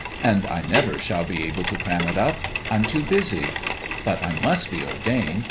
And I never shall be able to cram it up. I'm too busy. But I must be ordained.